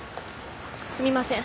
すみません。